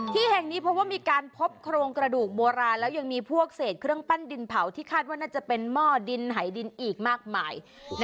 ที่แห่งนี้เพราะว่ามีการพบโครงกระดูกโบราณแล้วยังมีพวกเศษเครื่องปั้นดินเผาที่คาดว่าน่าจะเป็นหม้อดินหายดินอีกมากมาย